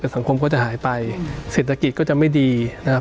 สังคมก็จะหายไปเศรษฐกิจก็จะไม่ดีนะครับ